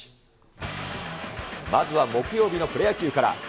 まずは木曜日のプロ野球から。